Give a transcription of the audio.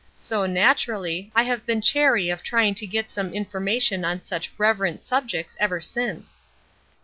So, naturally, I have been chary of trying to get information on such 'reverent' subjects ever since."